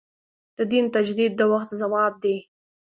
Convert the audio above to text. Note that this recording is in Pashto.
د دین تجدید د وخت ځواب دی.